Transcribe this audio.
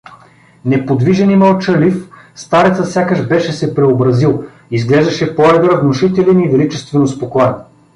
Неподвижен и мълчалив, старецът сякаш беше се преобразил: изглеждаше по-едър, внушителен и величествено спокоен.